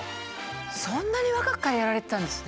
そんなに若くからやられてたんですね